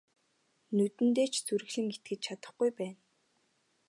Нүдэндээ ч зүрхлэн итгэж чадахгүй байна.